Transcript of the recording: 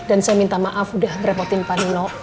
dan saya minta maaf udah ngerepotin pak nino